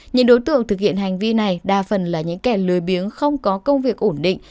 những đối tượng thực hiện hành vi này đa phần là những kẻ lừa biếng không có công việc ổn định